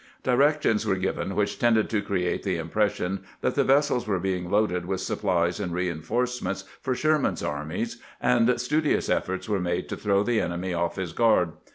Directions were given which tended to create the impression that the vessels were being loaded with supplies and reinforcements for Sherman's army, and studious efforts were made to throw the enemy off his guard.